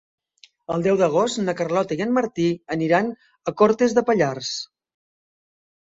El deu d'agost na Carlota i en Martí aniran a Cortes de Pallars.